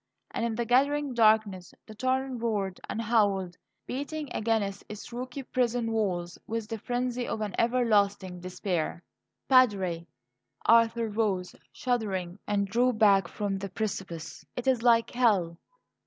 and in the gathering darkness the torrent roared and howled, beating against its rocky prison walls with the frenzy of an everlasting despair. "Padre!" Arthur rose, shuddering, and drew back from the precipice. "It is like hell."